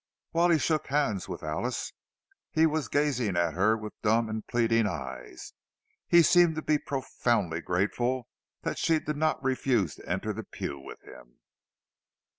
While he shook hands with Alice, he was gazing at her with dumb and pleading eyes; he seemed to be profoundly grateful that she did not refuse to enter the pew with him.